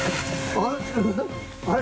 あれ？